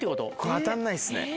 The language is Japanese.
当たんないっすね。